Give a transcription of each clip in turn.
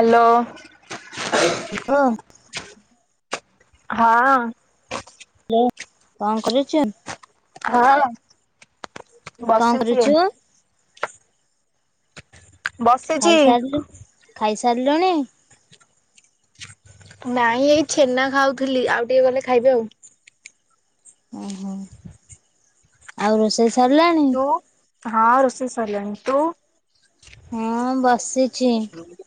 Hello. Hello. [unintelligible] ହଁ। Hello କଣ କରୁଚ? ହଁ। କଣ ବସିଛି କରୁଛୁ? ବସିଛି। ଖାଇସାରଲୁ ଖାଇସାରଲୁଣି? ନାଇଁ ଏଇ ଛେନା ଖାଉଥୁଲି ଆଉ ଟିକେ ଗଲେ ଖାଇବି ଆଉ। ହୁଁ ହୁଁ ଆଉ ରୋଷେଇ ସ ତୁ ହଁ ରୋଷେଇ ସଇଲାଣି ତୁ? ହୁଁ ବସି କାଲି ମସରୁମ୍।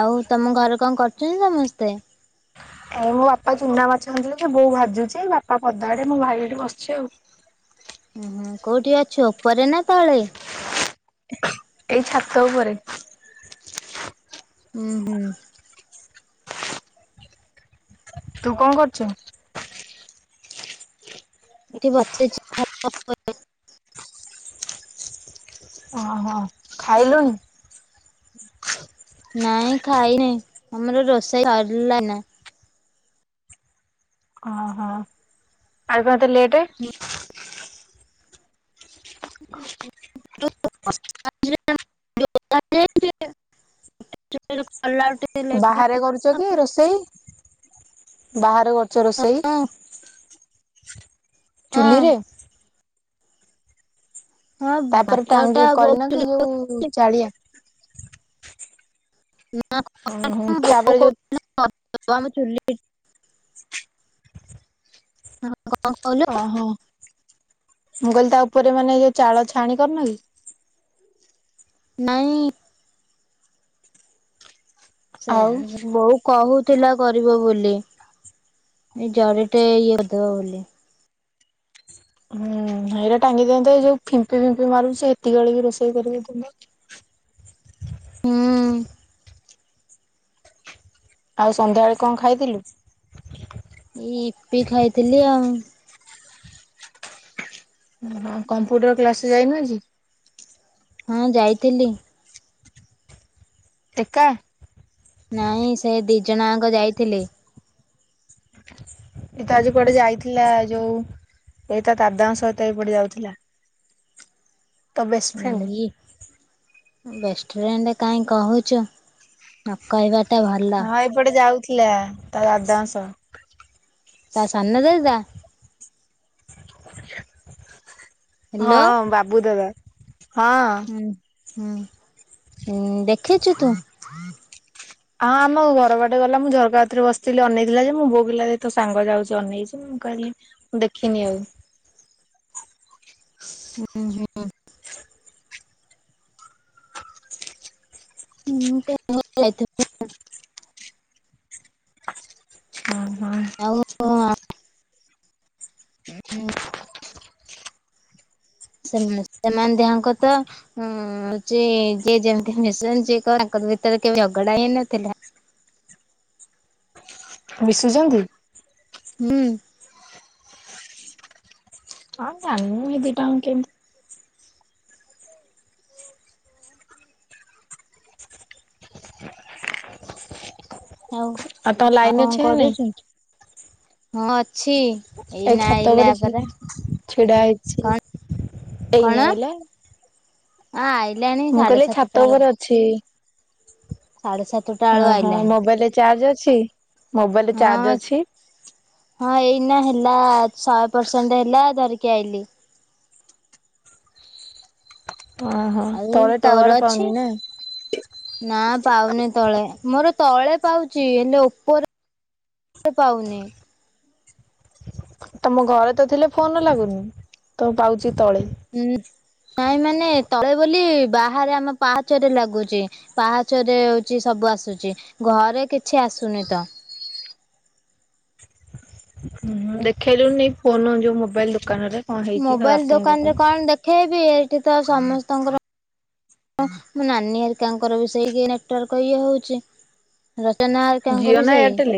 ଆଉ ତମ ଘରେ କଁ କରୁଚନ୍ତି ସମସ୍ତେ? ଏ ମୋ ବାପା ଚୁନା ମାଛ ହାଣିଥିଲେ ଯେ ବୋଉ ଭାଜୁଚି ବାପା ପଦା ଆଡ଼େ ମୋ ଭାଇ ଏଇଠି ବସିଚି ଆଉ। ଉଁ ହୁଁ କୋଉଠି ଅଛୁ ଉପରେ ନା ତଳେ? ଏଇ ଛାତ ଉପରେ। ଉଁ ହୁଁ। ତୁ କଁ କରଚୁ? ଏଠି ବସିଚି। [inaudible] ଅହ ଖାଇଲୁଣିି? ନାଇଁ ଖାଇନେଇ ଆମର ରୋଷେଇ ସରଲାନା। ଅହ ଆଜି କଁ ଏତେ ଲେଟେ? [inaudible] ବାହାରେ କରୁଚ କି ରୋଷେଇ? ବାହାରେ କରୁଚ ରୋଷେଇ? ହଁ ହଁ ଚୁଲିରେ? ହଁ ତାପରେ ଭାତ ଟା ଟାଙ୍ଗି କରିନ କି ଯୋଉ ବହୁତ ଚାଳିଆ? ନାଁ ହୁଁ ହୁଁ କରିନୁ ଏ ବଉ ତାପରେ କଉ ଯୋଉ ଲା [inaudible] ଆମ ଚୁଲି। କଣ କହିଲୁ ଅହ ମୁଁ କହିଲି ତା ଓପରେ ମାନେ ଇଏ ଚାଳ ଛାଆଣି କରିନ କି? ନାଇଁ। ଆଉ ସେୟା ବହୁ କହୁଥିଲା କରିବ ବୋଲି ଏ ଜରିଟେ ଇଏ ଦେବ ବୋଲି। ହୁଁ ହେଇରା ଟାଙ୍ଗି ଦିଅନ୍ତେ ଏ ଯୋଉ ଫିମ୍ପି ଫିମ୍ପି ମାରୁଚି ଏତିକି ବେଳେ ବି ରୋଷେଇ କରିହେଇଥାନ୍ତା। ହୁଁ। ଆଉ ସନ୍ଧ୍ୟା ବେଳେ କଁ ଖାଇଥିଲୁ? ଏଇ ଇପି ଖାଇଥିଲି ଆଉ। ଉଁ ହୁଁ କମ୍ପ୍ୟୁଟର୍ କ୍ଲାସ୍ ଯାଇନୁ ଆଜି? ହଁ ଯାଇଥିଲି। ଏକା? ନାଇଁ ସେ ଦି ଜଣ ଆଙ୍କ ଯାଇଥିଲେ। ଏଇ ତ ଆଜି କୁଆଡ଼େ ଯାଇଥିଲା ଯୋଉ ଏଇ ତା ଦାଦାଙ୍କ ସହିତ ଏଇପଟେ ଯାଉଥିଲା। ତ ବେଷ୍ ଫ୍ରେଣ୍ଡ୍। ବେଷ୍ଟ ଫ୍ରେଣ୍ଡ୍ କାହିଁ କହୁଚୁ ନ କହିବା ହଁ ଏପଟେ ଯାଉଥିଲା ତା ଦାଦାଙ୍କ ସହ। ତା ସାନ ଦାଦା? ହ୍ୟାଲୋ ହଁ ବାବୁ ଦାଦା ହଁ। ଉଁ ହୁଁ ଉଁ ଦେଖିଚୁ ତୁ? ଅଁ ଆମ ଘର ବାଟେ ଗଲା ମୁଁ ଝରକା କତିରେ ବସିଥିଲି ଅନେଇଥିଲା ଯେ ମୋ ବୋଉ କହିଲା ହେଇ ତୋ ସାଙ୍ଗ ଯାଉଚି ଅନେଇଚି। ମୁଁ କହିଲି ମୁଁ ଦେଖିନି ଆଉ। ଉଁ ହୁଁ। [unintelligible] ହଁ ହଁ। ଆଉ [unintelligible] [inaudible] ସେମା ସେମାନେ ଦିହାଙ୍କ ତ ହୁଁ ଚେ ଯେ ଯେମିତି ମିଶନ ଯିଏ କ ତାଙ୍କ ଭିତରେ କେବେ ଝଗଡା ହେଇ ନଥିଲା। ମିଶୁଚନ୍ତି? ହୁଁ। ହଁ ଜାଣୁଁ ଏ ଦିଟା ଅ କେମି ଆଉ ତମ ଆଉ ଲାଇନ କଣ ଅଛି ନା ନାଇଁ? କରୁଛୁ ହଁ ଅଛି। ଏଇ ଏଇନା ଛାତ ଆଇଲା ଉପରେ ଛି ପରା ଛିଡା ହେଇଛି କଣ ଏଇନେ ଏଲା। ଆଁ ଆଇଲାଣି ସାଢେ କହିଲି ଛାତ ସାତଟା ଏଳୁ ଉପରେ ଅଛି। ସାଢେ ସାତ ହଁ ହଁ ମୋବାଇଲରେ ଚାର୍ଜେ ଅଛି ମୋବାଇଲରେ ହଁ। ଚାର୍ଜେ ଅଛି। ହଁ ଏଇନା ହେଲା ଶହେ ପରସେଣ୍ଟ ହେଲା ଧରିକି ଆଇଲି। ଓହୋ ଆଉ ତଳେ ତୋର ଟାୱାର ଅଛି? ପାଉନି ନା। ନା ପାଉନି ତଳେ ମୋର ତଳେ ପାଉଚି ହେଲେ ଓପରେ ପାଉନି। ତମ ଘରେ ତ ଥିଲେ ଫୋନ ଲାଗୁନି ତ ପାଉଚି ତଳେ। ଉଁ ନାଇଁ ମାନେ ତଳେ ବୋଲି ବାହାରେ ଆମ ପାହାଚରେ ଲାଗୁଚି। ପାହାଚରରେ ହୋଚି ସବୁ ଆସୁଚି ଘରେ କିଛି ଆସୁନି ତ। ହୁଁ ଦେଖେଇଲୁନି ଫୋନ ଯୋଉ ମୋବାଇଲ ଦୋକାନରେ। କଣ ହେଇଛି ତୋ ମୋବାଇଲ ବାପାଙ୍କ ପାଇଁ। ଦୋକାନରେ କଣ ଦେଖେଇବି ଏଇଠି ତ ସମସ୍ତଙ୍କର ମୋ ନାନୀ ଘରିଙ୍କର ବି ସେଇ ନେଟୱାର୍କ ଇଏ ହୋ ଉଚି। ରଚନା ଆ ଜିଓ ହରିକାଙ୍କର ବି ନା ସେଇ। ଏୟାରଟେଲ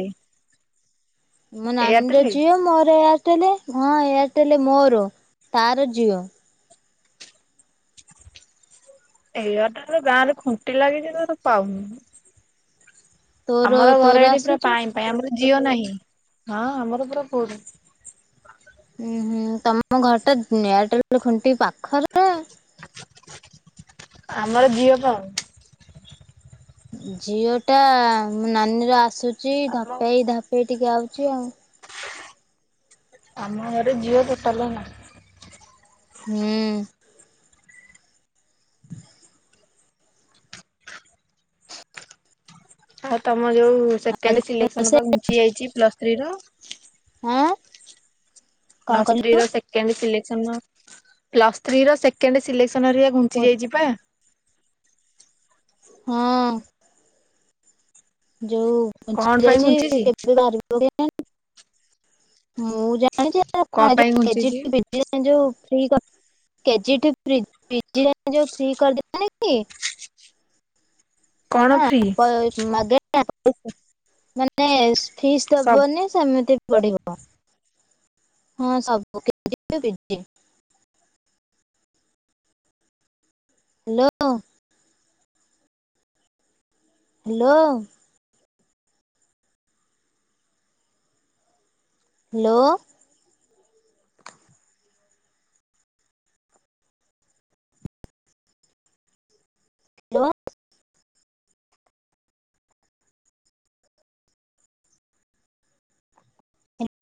ମୋ ନାନୀ ର ଏୟାରଟେଲ ଜିଅ ମୋର ଏୟାରଟେଲେ ହଁ ଏୟାରଟେଲେ ମୋର ତାର ଜିଅ। ଏୟାରଟେଲେ ଗାଁରେ ଖୁଣ୍ଟି ଲାଗିଚି ତୋର ପାଉନି। ତୋର ଆମର ଘରେ ତୋର ଏଠି ପୁରା ଆସୁଛି। ପାଇଁ। ପାଇଁ ଆମର ଜିଅ ନାହିଁ ହଁ ଆମର ପୁରା ଫୁଲୁ। ଉଁ ହୁଁ ତମ ଘର ଟା ନେୟାରଟେଲ ଖୁଣ୍ଟି ପାଖରେ। [inaudible] ଆମର ଜିଓ ପାଉନି। ଜିଓଟା ମୋ ନାନୀର ଆସୁଚି ଆମ ଧପେଇ ଧପେଇ ଟିକେ ଆଉଚି ଆଉ। ଆମ ଘରେ ଝିଅ କଟାଲ ନା ହୁଁ। ଆଉ ତମ ଯୋଉ ଆଜି ସେକେଣ୍ଡେ କଣ ସିଲେକ୍ସନ ରୋଷେଇ ଘୁଞ୍ଚି ଯାଇଚି ପ୍ଲସ ଥ୍ରୀ ର। ଆଁ। କଣ ପ୍ଲସ୍ ଥ୍ରୀ କହିଲୁ? ର ଶେକେଣ୍ଡେ ସିଲେକ୍ସନ ପ୍ଲସ୍ ଥ୍ରୀ ର ସେକେଣ୍ଡେ ସିଲେକ୍ସନ [unintelligible] ଘୁଞ୍ଚି ଯାଇଚି ପା। ହଁ ଯୋଉ କଣ ପାଇଁ ଘୁଞ୍ଚିଛି କଣ ପାଇଁ ଘୁଞ୍ଚିଛି [unintelligible] [unintelligible] [unintelligible] କଣ ଫ୍ରି [unintelligible] ହଁ ମାନେ ଫିସ୍ ସବୁ ଦବନି ସେମିତି ବି ପଢିବ ହଁ ସବୁ [unintelligible] ହ୍ୟାଲୋ। ହ୍ୟାଲୋ। ହ୍ୟାଲୋ। ହ୍ୟାଲୋ।